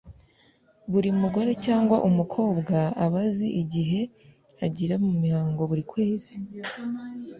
Buri mugore cg umukobwa aba azi igihe agira mu mihango buri kwezi.